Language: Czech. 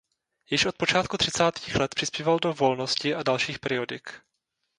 Již od počátku třicátých let přispíval do Volnosti a dalších periodik.